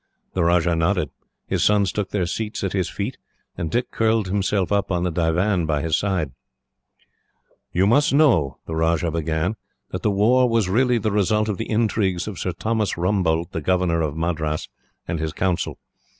The Rajah nodded. His sons took their seats at his feet, and Dick curled himself up on the divan, by his side. "You must know," the Rajah began, "that the war was really the result of the intrigues of Sir Thomas Rumbold, the governor of Madras, and his council.